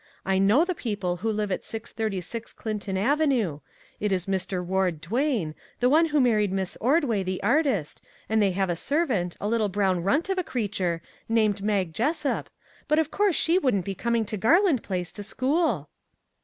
I know the people who live at 636 Clinton ave MAG AND MARGARET nue; it is Mr. Ward Duane, the one who mar ried Miss Ordway, the artist, and they have a servant, a little brown runt of a creature, named Mag Jessup, but of course she wouldn't be com ing to Garland Place to school